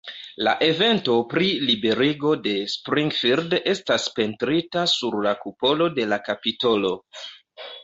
La evento pri liberigo de Springfield estas pentrita sur la kupolo de la kapitolo.